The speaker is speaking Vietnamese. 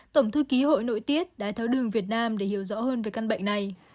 tổng thư ký hội nội tiết đái tháo đường việt nam để hiểu rõ hơn về căn bệnh này